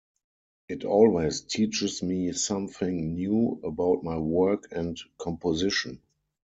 It always teaches me something new about my work and composition.